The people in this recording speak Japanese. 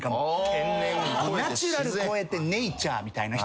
ナチュラル超えてネイチャーみたいな人。